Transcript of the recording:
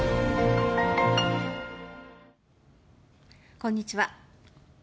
こんにちは。